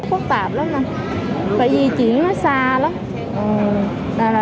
khó khăn lắm anh phải di chuyển nó xa lắm